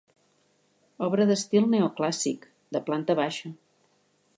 Obra d'estil neoclàssic, de planta baixa.